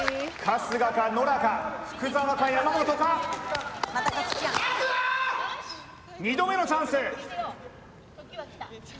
春日かノラか福澤か山本か二度目のチャンス